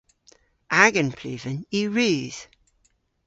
Agan pluven yw rudh.